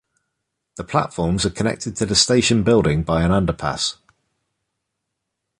The platforms are connected to the station building by an underpass.